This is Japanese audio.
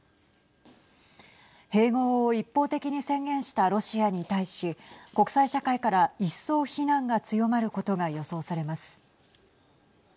併合を一方的に宣言したロシアに対し国際社会から一層非難が強まることが予想されます。